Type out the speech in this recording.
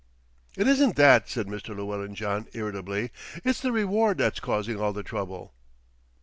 "It isn't that," said Mr. Llewellyn John irritably. "It's the reward that's causing all the trouble."